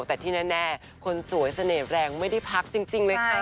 แต่ที่แน่คนสวยเสน่ห์แรงไม่ได้พักจริงเลยค่ะ